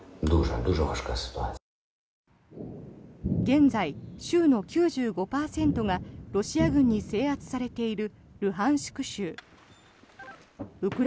現在、州の９５％がロシア軍に制圧されているルハンシク